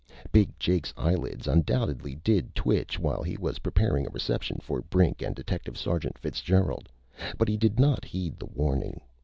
Big Jake's eyelids undoubtedly did twitch while he was preparing a reception for Brink and Detective Sergeant Fitzgerald. But he did not heed the warning.